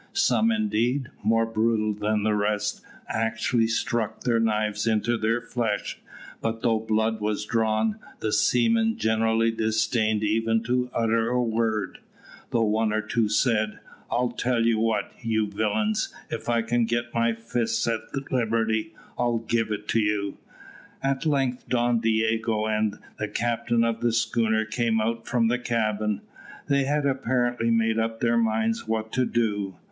Some indeed, more brutal than the rest, actually stuck their knives into their flesh, but though blood was drawn, the seamen generally disdained even to utter a word, though one or two said, "I'll tell you what, you villains, if I can get my fists at liberty, I'll give it you." At length Don Diogo and the captain of the schooner came out from the cabin. They had apparently made up their minds what to do.